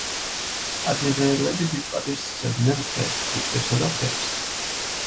ადიღეელები დიდ პატივს სცემდნენ ტყეებს, ბუჩქებსა და ხეებს.